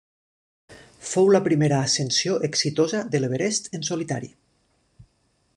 Fou la primera ascensió exitosa de l'Everest en solitari.